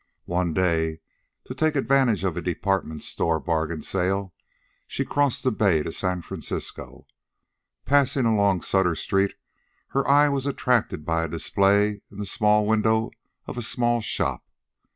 One day, to take advantage of a department store bargain sale, she crossed the bay to San Francisco. Passing along Sutter Street, her eye was attracted by a display in the small window of a small shop.